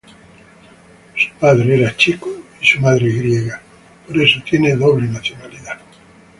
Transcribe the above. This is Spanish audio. Su padre era checo y su madre griega, por eso tiene doble nacionalidad.